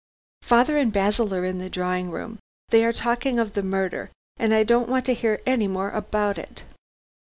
"Father and Basil are in the drawing room. They are talking of the murder, and I don't want to hear any more about it."